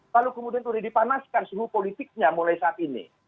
lalu kemudian sudah dipanaskan suhu politiknya mulai saat ini